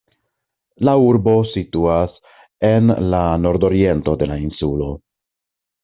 La urbo situas en la nordoriento de la insulo.